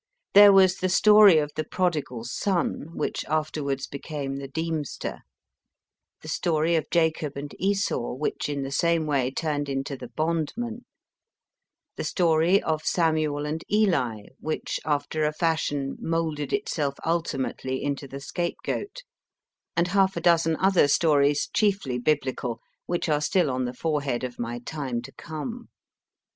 There was the story of the Prodigal Son, which afterwards became The Deemster ; the story of Jacob and Esau, which in the same way turned into The Bondman ; the story of Samuel and Eli, which, after a fashion, moulded itself ultimately into The Scapegoat ; and half a dozen other stories, chiefly Biblical, which are still on the forehead of my time to come.